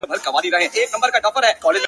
زه خو دا يم ژوندی يم.